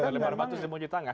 lempar batu sembunyi tangan